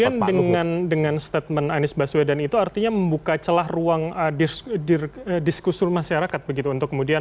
kemudian dengan statement anies baswedan itu artinya membuka celah ruang diskusur masyarakat begitu untuk kemudian